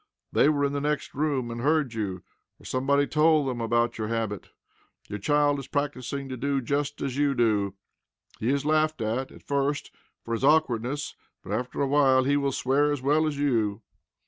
They were in the next room and heard you, or somebody told them about your habit. Your child is practising to do just as you do. He is laughed at, at first, for his awkwardness, but after a while he will swear as well as you.